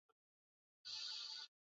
kuwa siasa siyo uhasama Uchaguzi ukiisha watu